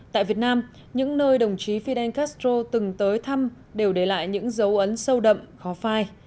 tại việt nam những nơi đồng chí fidel castro từng tới thăm đều để lại những dấu ấn sâu đậm khó phai